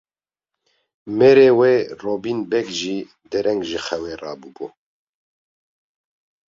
Mêrê wê Robîn Beg jî dereng ji xewê rabûbû.